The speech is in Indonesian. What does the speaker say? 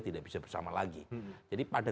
tidak bisa bersama lagi jadi pada